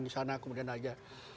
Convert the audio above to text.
di sana kemudian ada